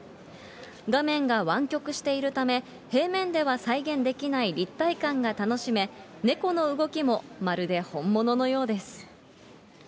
画面が湾曲しているため、平面では再現できない立体感が楽しめ、猫の動きもまるで本物のようです。